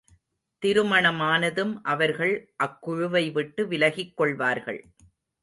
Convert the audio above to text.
திருமணமானதும், அவர்கள் அக்குழுவை விட்டு விலகிக் கொள்வார்கள்.